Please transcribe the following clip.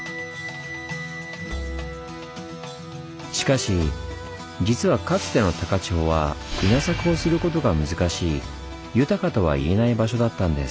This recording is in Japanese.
しかし実はかつての高千穂は稲作をすることが難しい豊かとは言えない場所だったんです。